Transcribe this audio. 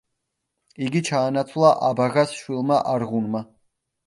იგი ჩაანაცვლა აბაღას შვილმა, არღუნმა.